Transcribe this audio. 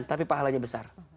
tapi pahalanya besar